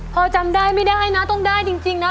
พอจำได้ไม่ได้นะต้องได้จริงนะ